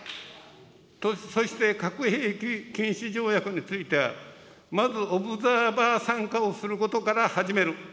そして核兵器禁止条約については、まずオブザーバー参加をすることから始める。